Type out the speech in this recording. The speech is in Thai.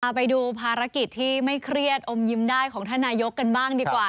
ไปดูภารกิจที่ไม่เครียดอมยิ้มได้ของท่านนายกกันบ้างดีกว่า